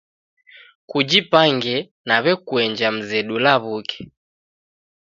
Kujipange nawekuenja mzedu lawuke